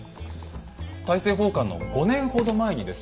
大政奉還の５年ほど前にですね